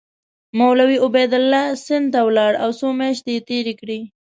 مولوي عبیدالله سند ته ولاړ او څو میاشتې یې تېرې کړې.